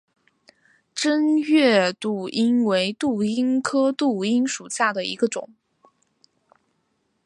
滇越杜英为杜英科杜英属下的一个种。